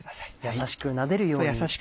優しくなでるように。